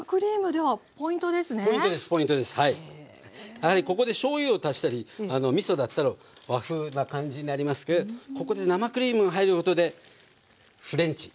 やはりここでしょうゆを足したりみそだったら和風な感じになりますけどここで生クリームが入ることでフレンチに。